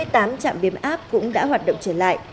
hai mươi tám trạm biến áp cũng đã hoạt động trở lại